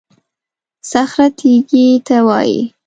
صخره تېږې ته وایي.